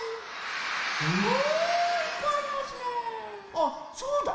あっそうだ。